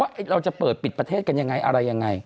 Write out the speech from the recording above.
เราจะเปิดปิดประเทศกันยังไงอะไรยังไง